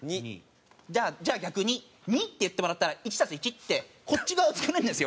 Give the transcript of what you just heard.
じゃあ逆に２って言ってもらったら１足す１ってこっち側を作れるんですよ